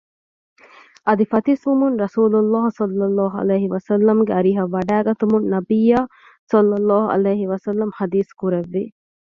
އަދި ފަތިސްވުމުން ރަސޫލުﷲ ﷺ ގެ އަރިހަށް ވަޑައިގަތުމުން ނަބިއްޔާ ﷺ ޙަދީޘްކުރެއްވި